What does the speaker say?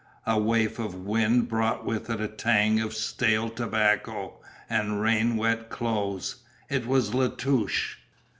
A waft of wind brought with it a tang of stale tobacco and rain wet clothes. It was La Touche.